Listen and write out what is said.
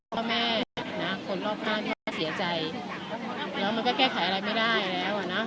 พ่อแม่นะคนรอบข้างแม่ก็เสียใจแล้วมันก็แก้ไขอะไรไม่ได้แล้วอ่ะนะ